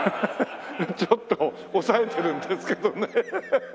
ちょっと抑えてるんですけどねヘヘヘ。